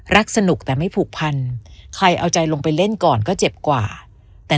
สนุกแต่ไม่ผูกพันใครเอาใจลงไปเล่นก่อนก็เจ็บกว่าแต่